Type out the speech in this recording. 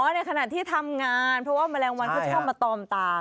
ในขณะที่ทำงานเพราะว่าแมลงวันเขาชอบมาตอมตาก